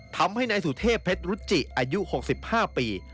ทำให้นายสุเทพเพชรรุจิอายุ๖๕ปี